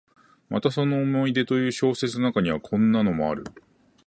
またその「思い出」という小説の中には、こんなのもある。